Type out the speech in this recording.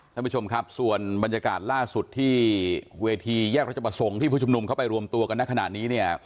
ท่านผู้ชมครับส่วนบรรยากาศล่าสุดที่เวทีแยกรัชประสงค์ที่ผู้ชุมนุมเข้าไปรวมตัวกันในขณะนี้เนี่ย